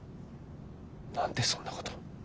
何でそんなこと。